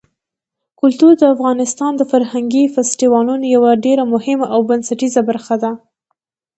کلتور د افغانستان د فرهنګي فستیوالونو یوه ډېره مهمه او بنسټیزه برخه ده.